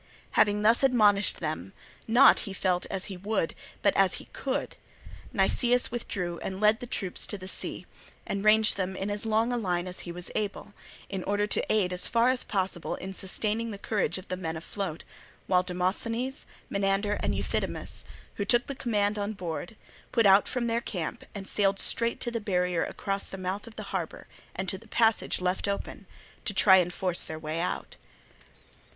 Having thus admonished them, not, he felt, as he would, but as he could, Nicias withdrew and led the troops to the sea, and ranged them in as long a line as he was able, in order to aid as far as possible in sustaining the courage of the men afloat; while Demosthenes, Menander, and Euthydemus, who took the command on board, put out from their own camp and sailed straight to the barrier across the mouth of the harbour and to the passage left open, to try to force their way out.